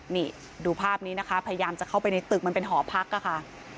นี่ดูภาพนี้นะคะพยายามจะเข้าไปในตึกมันเป็นหอพักค่ะ